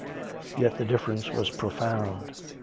Yet the difference was profound.